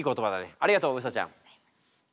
ありがとううさちゃん。